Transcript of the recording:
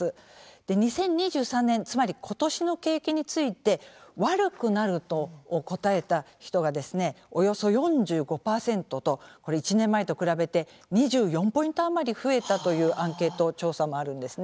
で２０２３年つまり今年の景気について「悪くなる」と答えた人がですねおよそ４５％とこれ１年前と比べて２４ポイント余り増えたというアンケート調査もあるんですね。